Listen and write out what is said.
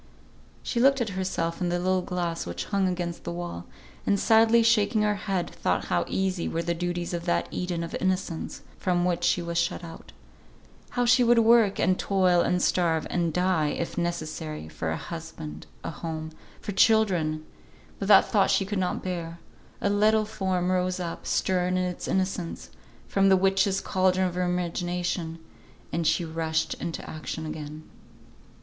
She looked at herself in the little glass which hung against the wall, and sadly shaking her head, thought how easy were the duties of that Eden of innocence from which she was shut out; how she would work, and toil, and starve, and die, if necessary, for a husband, a home, for children, but that thought she could not bear; a little form rose up, stern in its innocence, from the witches' cauldron of her imagination, and she rushed into action again.